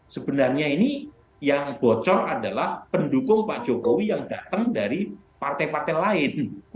sebenarnya ini yang bocor adalah pendukung pak jokowi yang datang dari partai partai lain